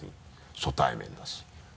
初対面だし。